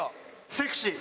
セクシー。